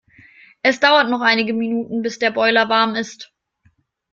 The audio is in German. Es dauert noch einige Minuten bis der Boiler warm ist.